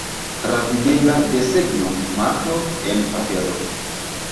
Travidebla desegno, marko, en papero.